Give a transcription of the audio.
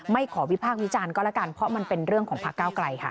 ขอวิพากษ์วิจารณ์ก็แล้วกันเพราะมันเป็นเรื่องของพักเก้าไกลค่ะ